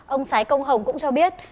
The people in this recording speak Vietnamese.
ông sái công hồng cũng cho biết